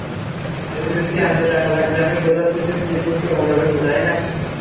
রুহিকে আনতে টাকা লাগবে, আমি বোঝাচ্ছি, তুমি চিকুকে ভালোবাসো, তাইনা?